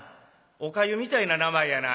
おかゆみたいな名前やな」